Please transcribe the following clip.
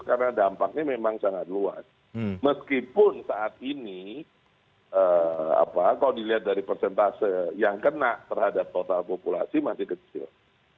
karena dampaknya memang sangat luas meskipun saat ini kalau dilihat dari persentase yang kena terhadap total populasi masih kecil